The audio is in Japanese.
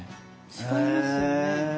違いますよね。